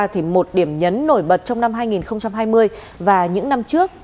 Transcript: thì một điểm nhấn nổi bật trong năm hai nghìn hai mươi và những năm trước